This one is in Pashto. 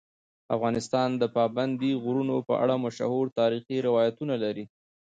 افغانستان د پابندي غرونو په اړه مشهور تاریخی روایتونه لري.